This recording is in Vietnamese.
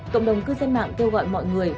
cộng đồng cư dân mạng kêu gọi mọi người